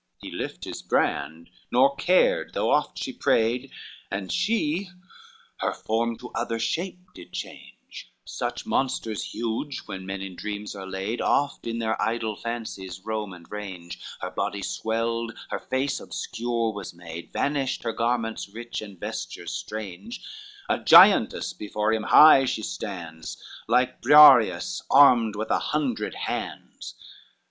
XXXV He lift his brand, nor cared though oft she prayed, And she her form to other shape did change; Such monsters huge when men in dreams are laid Oft in their idle fancies roam and range: Her body swelled, her face obscure was made, Vanished her garments, her face and vestures strange, A giantess before him high she stands, Like Briareus armed with an hundred hands.